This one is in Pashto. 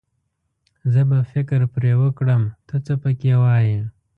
زه به فکر پرې وکړم، ته څه پکې وايې.